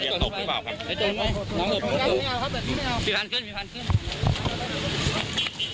พี่๓๐๐๐ก็จะไม่รู้ล่ะครับ